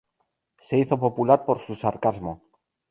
Se hizo popular por su sarcasmo.